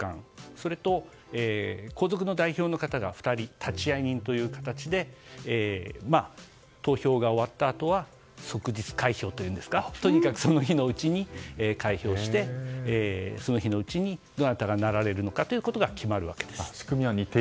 それと皇族の代表の方が２人、立会人という形で投票が終わったあとは即日開票というんですかとにかくその日のうちに開票してその日のうちにどなたがなられるかというのが決まるわけです。